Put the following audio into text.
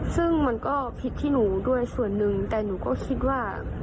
ซึ่งมันก็ผิดที่หนูด้วยส่วนหนึ่งแต่หนูก็คิดว่า